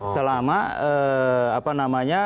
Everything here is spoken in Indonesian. selama apa namanya